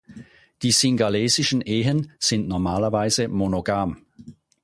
Die singhalesischen Ehen sind normalerweise monogam.